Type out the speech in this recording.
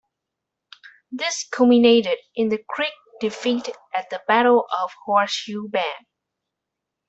This culminated in the Creek defeat at the Battle of Horseshoe Bend.